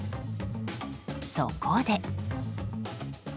そこで。